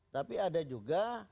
tapi ada juga